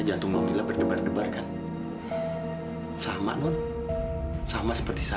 setelah berdua bersama